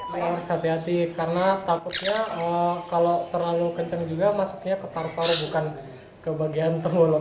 harus hati hati karena takutnya kalau terlalu kencang juga masuknya ke paru paru bukan ke bagian